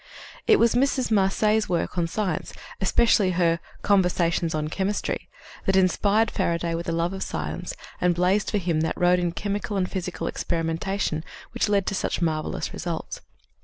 It was Mrs. Marcet's works on science especially her Conversations on Chemistry that inspired Faraday with a love of science and blazed for him that road in chemical and physical experimentation which led to such marvelous results.